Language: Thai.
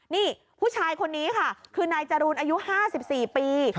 นี่ผู้ชายคนนี้ค่ะคือนายจรูนอายุ๕๔ปี